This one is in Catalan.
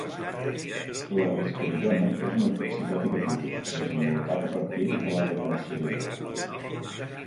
La risperidona és un antipsicòtic atípic desenvolupat a partir de la ritanserina.